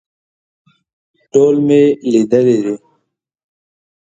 ټول مې لیدلي دي.